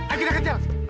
ayo kita ke dalam